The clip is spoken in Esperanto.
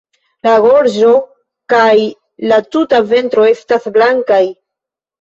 La gorĝo kaj la tuta ventro estas blankaj.